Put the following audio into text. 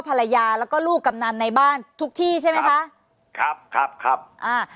ภรรยาแล้วก็ลูกกำนันในบ้านทุกที่ใช่ไหมคะครับครับครับอ่า